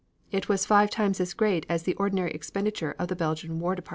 It was five times as great as the ordinary expenditure of the Belgian War Department.